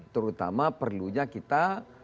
terutama perlunya kita